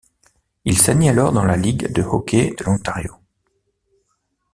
Il s'aligne alors dans la Ligue de hockey de l'Ontario.